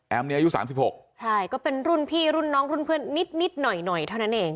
นี่อายุ๓๖ใช่ก็เป็นรุ่นพี่รุ่นน้องรุ่นเพื่อนนิดหน่อยหน่อยเท่านั้นเอง